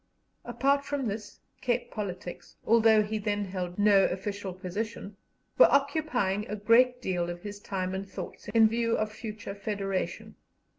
Apart from this, Cape politics, although he then held no official position, were occupying a great deal of his time and thoughts in view of future Federation.